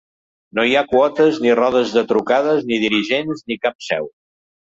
No hi ha quotes, ni rodes de trucades, ni dirigents, ni cap seu.